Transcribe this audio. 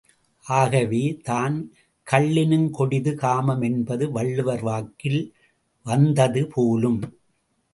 ஆகவே தான், கள்ளினுங் கொடிது காமம் என்பது வள்ளுவர் வாக்கில் வந்தது போலும்.